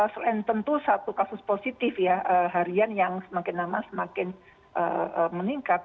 selain tentu satu kasus positif ya harian yang semakin lama semakin meningkat